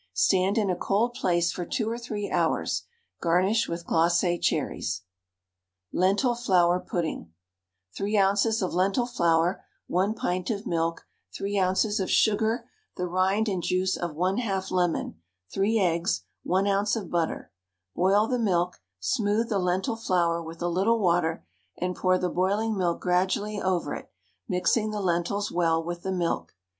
Stand in a cold place for 2 or 3 hours. Garnish with glacé cherries. LENTIL FLOUR PUDDING. 3 oz. of lentil flour, 1 pint of milk, 3 oz. of sugar, the rind and juice of 1/2 lemon, 3 eggs, 1 oz. of butter. Boil the milk, smooth the lentil flour with a little water, and pour the boiling milk gradually over it, mixing the lentils well with the milk.